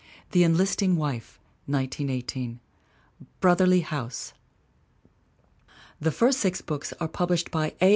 The Enlisting Wife, 1918. Brotherly House. The first six books are published by A.